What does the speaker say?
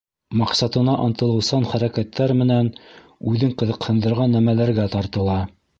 Маҡсатына ынтылыусан хәрәкәттәр менән үҙен ҡыҙыҡһындырған нәмәләргә тартыла.